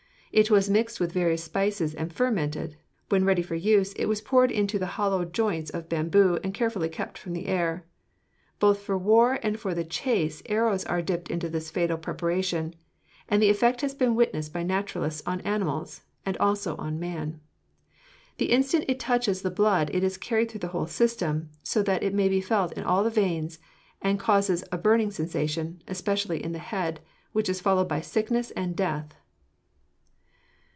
It was mixed with various spices and fermented; when ready for use, it was poured into the hollow joints of bamboo and carefully kept from the air. Both for war and for the chase arrows are dipped in this fatal preparation, and the effect has been witnessed by naturalists on animals, and also on man. The instant it touches the blood it is carried through the whole system, so that it may be felt in all the veins and causes a burning sensation, especially in the head, which is followed by sickness and death."